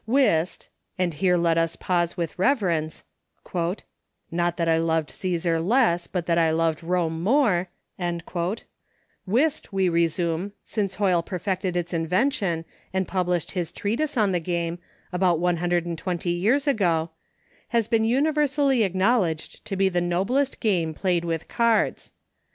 Whist — and here let us pause with reve rence — "not that I loved Caesar less, but that I loved Eome more" — Whist, we re sume, since Hoyle perfected its invention, and published his treatise on the game, about one hundred and twenty years ago, has been universally acknowledged to be the noblest game played with cards.